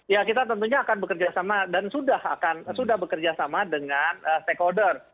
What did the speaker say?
ya kita tentunya akan bekerjasama dan sudah akan sudah bekerjasama dengan stakeholder